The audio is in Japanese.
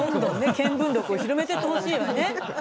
見聞録を広めてってほしいわね。ね。